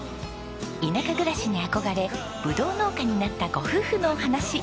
田舎暮らしに憧れぶどう農家になったご夫婦のお話。